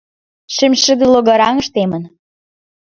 Шем шыде логараҥыш темын!..